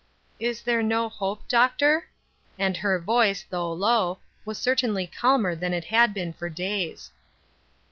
"Is there no hope, Doctor? "and her voice though low, was certainly calmer than it had been for days.